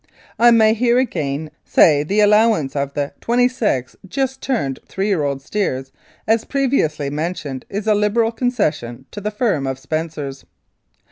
" I may here again say the allowance of the twenty six just turned three year old steers, as previously mentioned, is a liberal concession to the firm of Spencers.